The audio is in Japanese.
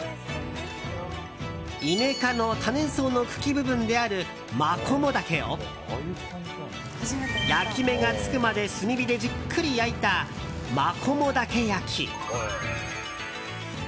イネ科の多年草の茎部分であるマコモダケを焼き目がつくまで炭火でじっくり焼いたマコモダケ焼。